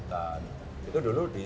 sosok muega seperti apa